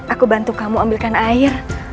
aku bantu kamu ambilkan air